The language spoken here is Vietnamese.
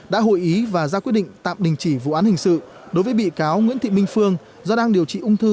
đã hội ý và ra quyết định tạm đình chỉ vụ án hình sự đối với bị cáo nguyễn thị minh phương do đang điều trị ung thư